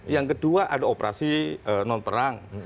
yang kedua ada operasi non perang